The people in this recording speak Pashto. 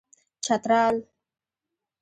چترال